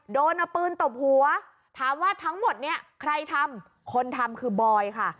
โดนเอาปืนตบหัวถามว่าทั้งหมดเนี่ยใครทำคนทำคือบอยค่ะ